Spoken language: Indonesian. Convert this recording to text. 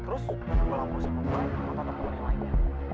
terus gue langsung ngebutin temen temen yang lainnya